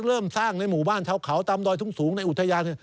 เริ่มต้องสร้างบ้านเฉากเกี่ยวขาวตามดอยสูงในอุทยา